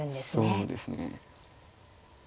そうですね。